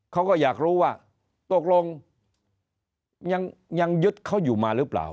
เขาก็อยากรู้ว่าตกลงยังยึดเขาอยู่มาหรือเปล่า